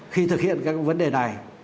khi thực hiện các vấn đề này